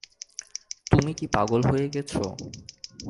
তুমি কি পাগল হয়ে গেছ?